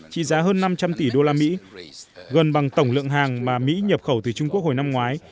trị giá hơn năm trăm linh tỷ đô la mỹ gần bằng tổng lượng hàng mà mỹ nhập khẩu từ trung quốc hồi năm ngoái